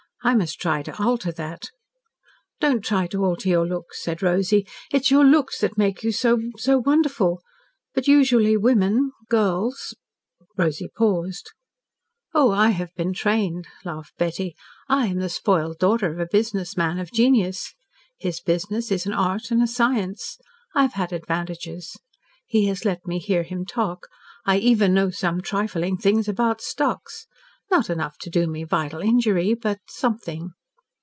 "I must try to alter that." "Don't try to alter your looks," said Rosy. "It is your looks that make you so so wonderful. But usually women girls " Rosy paused. "Oh, I have been trained," laughed Betty. "I am the spoiled daughter of a business man of genius. His business is an art and a science. I have had advantages. He has let me hear him talk. I even know some trifling things about stocks. Not enough to do me vital injury but something.